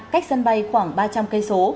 cách sân bay khoảng ba km